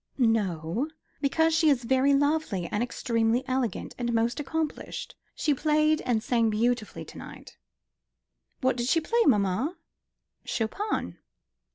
"No; because she is very lovely, and extremely elegant, and most accomplished. She played and sang beautifully to night." "What did she play, mamma?" "Chopin!"